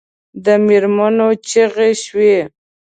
د مېرمنو چیغې شوې.